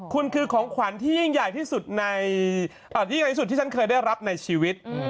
คุณคือของขวัญที่ยิ่งใหญ่ที่สุดในที่สุดที่ฉันเคยได้รับในชีวิต